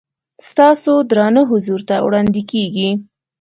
ستاسو درانه حضور ته وړاندې کېږي.